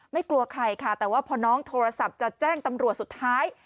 กลัวใครค่ะแต่ว่าพอน้องโทรศัพท์จะแจ้งตำรวจสุดท้าย